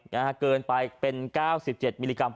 ไม่ได้แรงอะ